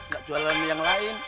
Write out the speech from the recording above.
gak jualan yang lain